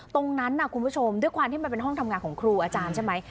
ตรงนั้นคุณผู้ชมด้วยความที่มันเป็นห้องทำงานของครูอาจารย์ใช่ไหม